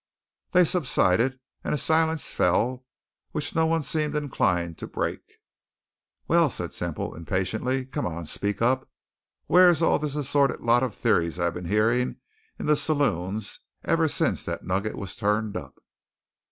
They subsided, and a silence fell which no one seemed inclined to break. "Well," said Semple impatiently, "come on! Speak up! Whar's all this assorted lot of theories I been hearing in the say loons ever since that nugget was turned up?"